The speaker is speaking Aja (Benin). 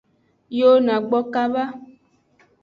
Yo na gbo kaba.